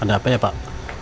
ada apa ya pak